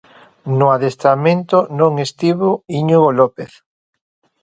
No adestramento non estivo Íñigo López.